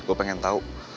gue pengen tau